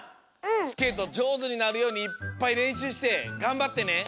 スケートじょうずになるようにいっぱいれんしゅうしてがんばってね！